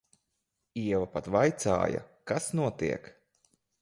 Ieva pat vaicāja, kas notiek.